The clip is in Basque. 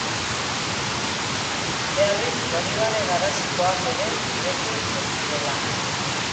Beharrik Donibane Garazikoak ere gurekin jin zirela.